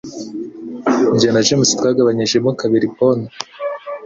Jye na James twagabanyijemo kabiri pome